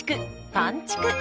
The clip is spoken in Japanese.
「パンちく」！